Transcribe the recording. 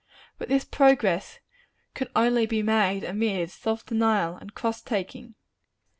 But this progress can only be made amid self denial and cross taking.